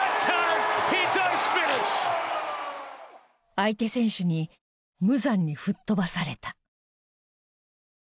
相手選手に無残に吹っ飛ばされた。